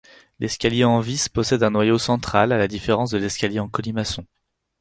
L'escalier en vis possède un noyau central, à la différence de l'escalier en colimaçon.